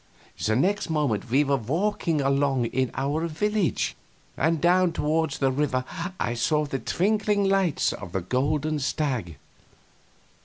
The next moment we were walking along in our village; and down toward the river I saw the twinkling lights of the Golden Stag.